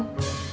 belum bisa bang